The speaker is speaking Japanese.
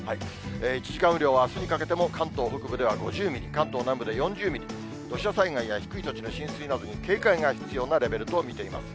１時間雨量は、あすにかけても関東北部では５０ミリ、関東南部で４０ミリ、土砂災害や低い土地の浸水などに警戒が必要なレベルと見ています。